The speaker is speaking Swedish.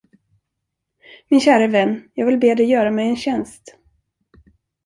Min käre vän, jag vill be dig göra mig en tjänst.